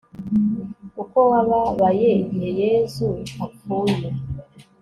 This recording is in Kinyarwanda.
uko wababaye, igihe yezu apfuye